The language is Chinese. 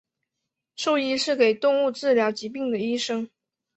兽医是给动物治疗疾病的医生。